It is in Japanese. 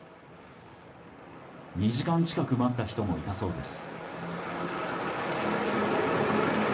２時間近く待った人もいたそうです。